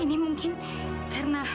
ini mungkin karena